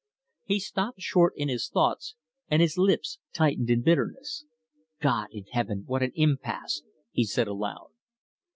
He stopped short in his thoughts, and his lips tightened in bitterness. "God in heaven, what an impasse!" he said aloud.